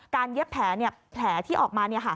การเย็บแผลแผลที่ออกมา